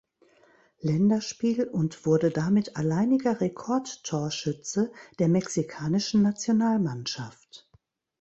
Länderspiel und wurde damit alleiniger Rekordtorschütze der mexikanischen Nationalmannschaft.